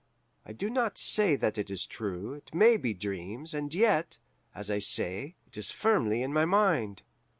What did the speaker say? I do not say that it is true it may be dreams; and yet, as I say, it is firmly in my mind.